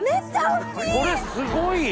これすごいやん。